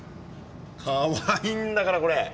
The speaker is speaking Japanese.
かわいいんだからこれ。